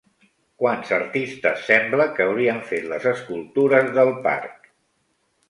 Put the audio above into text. Quants artistes sembla que haurien fet les escultures del parc?